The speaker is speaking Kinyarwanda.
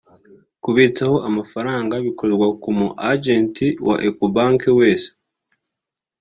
Kubitsaho amafaranga bikorerwa ku mu ‘agent’ wa Ecobank wese